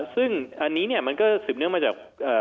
ซึ่งอันนี้มันก็สืบเนื่องมาจาก